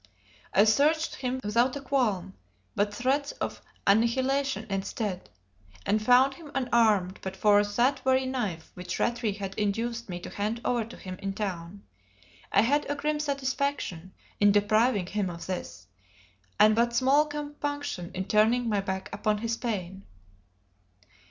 I searched him without a qualm, but threats of annihilation instead, and found him unarmed but for that very knife which Rattray had induced me to hand over to him in town. I had a grim satisfaction in depriving him of this, and but small compunction in turning my back upon his pain.